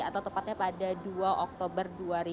atau tepatnya pada dua oktober dua ribu dua puluh